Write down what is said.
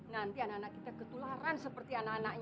nanti anak anak kita ketularan seperti anak anaknya